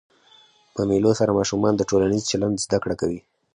په مېلو سره ماشومان د ټولنیز چلند زده کړه کوي.